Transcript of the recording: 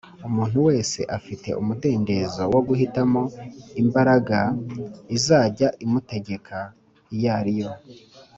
umuntu wese afite umudendezo wo guhitamo imbaraga izajya imutegeka iyo ari yo